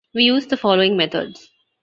We use the following methods.